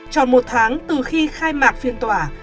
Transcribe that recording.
chọn một tháng từ khi khai mạc phiên tòa